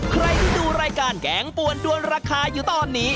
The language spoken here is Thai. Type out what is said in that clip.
ใครที่ดูรายการแกงปวนด้วนราคาอยู่ตอนนี้